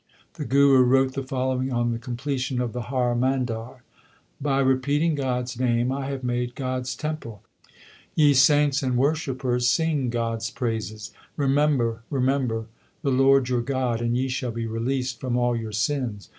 1 The Guru wrote the following on the completion of the Har Mandar. By repeating God s name I have made God s temple : ye saints and worshippers, sing God s praises. Remember, remember the Lord your God, and ye shall be released from all your sins.